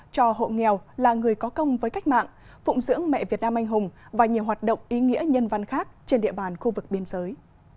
cho hộ nghèo là người có công với cách mạng phụng dưỡng mẹ việt nam anh hùng và nhiều hoạt động ý nghĩa nhân văn khác trên địa bàn khu vực biên giới